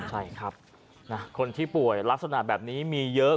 ใช่ครับคนที่ป่วยลักษณะแบบนี้มีเยอะ